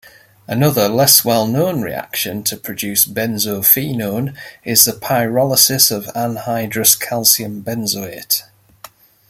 Another, less well-known reaction to produce benzophenone is the pyrolysis of anhydrous calcium benzoate.